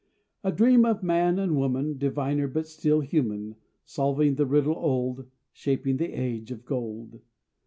A dream of man and woman Diviner but still human, Solving the riddle old, Shaping the Age of Gold!